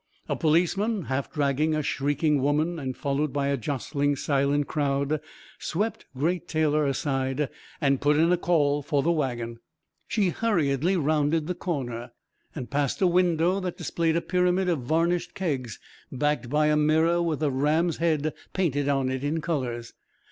A policeman, half dragging a shrieking woman and followed by a jostling, silent crowd, swept Great Taylor aside and put in a call for the wagon. She hurriedly rounded the corner and passed a window that displayed a pyramid of varnished kegs backed by a mirror with a ram's head painted on it in colours.